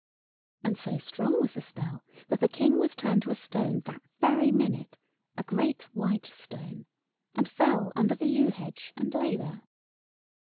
And so strong was the spell that the King was turned to a stone that very minute—a great white stone—and fell under the yew hedge, and lay there.